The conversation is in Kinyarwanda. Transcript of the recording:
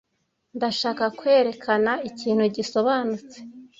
Ndashaka kwerekana ikintu gisobanutse.